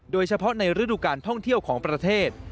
โดยเฉพาะในฤดูการท่องเที่ยวของประเทศ